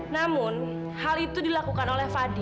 namun hal itu dilakukan oleh fadi